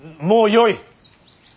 もうよい。